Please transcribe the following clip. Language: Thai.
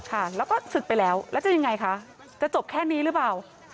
ค่ะแล้วก็ศึกไปแล้วแล้วจะยังไงคะจะจบแค่นี้หรือเปล่า